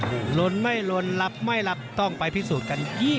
หลนไม่ลนรับไม่รับต้องไปพิสูจน์กัน